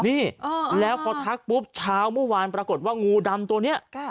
นี่แล้วพอทักปุ๊บเช้าเมื่อวานปรากฏว่างูดำตัวนี้